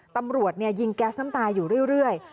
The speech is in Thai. ตำรวจยิงแก๊สน้ำตาอยู่เรื่อย